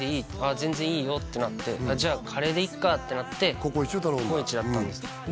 全然いいよってなってじゃあカレーでいっかってなってココイチを頼んだうんココイチだったんですで